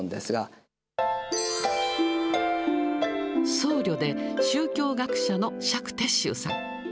僧侶で宗教学者の釈徹宗さん。